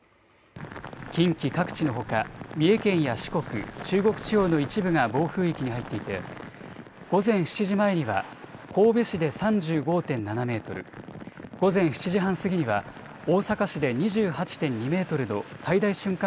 近畿各地のほか、三重県や四国、中国地方の一部が暴風域に入っていて、午前７時前には神戸市で３５．７メートル、午前７時半過ぎには、大阪市で２８．２メートルの最大瞬間